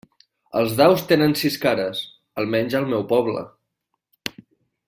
Els daus tenen sis cares, almenys al meu poble.